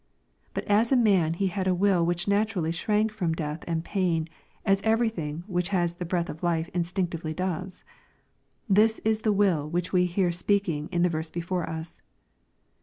But as man He had a will which naturally shrank from death and pain, as everything which has the breath of life instinctively does. This is the will which we hear speaking in the verse before us.